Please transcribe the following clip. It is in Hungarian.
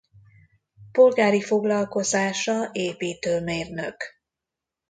Polgári foglalkozása építőmérnök.